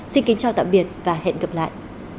xin kính chào tạm biệt và hẹn gặp lại